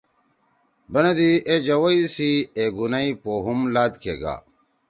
بندی اے جوَئی سی اے گُونئی پو ہم لات کے گا۔